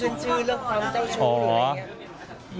ชื่นชื่นเรื่องความเจ้าชูหรืออะไรอย่างเงี้ย